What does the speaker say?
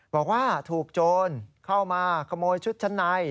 บอกว่าถูกโจรเข้ามาขโมยชุดชั้นใน